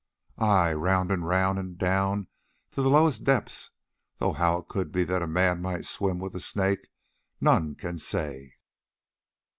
Ay, round and round and down to the lowest depths, though how it could be that a man might swim with the Snake none can say."